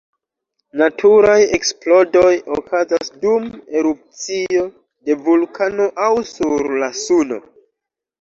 Naturaj eksplodoj okazas dum erupcio de vulkano aŭ sur la Suno.